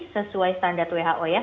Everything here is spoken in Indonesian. sesuai standar who ya